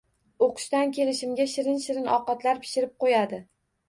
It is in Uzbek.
Oʻqishdan kelishimga shirin-shirin ovqatlar pishirib qoʻyadi